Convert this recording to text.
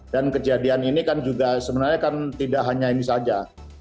dan kejadian ini kan juga sebenarnya kan tidak hanya ini saja